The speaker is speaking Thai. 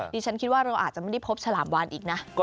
ดิฉันคิดว่าเราอาจจะไม่ได้พบฉลามวานอีกนะ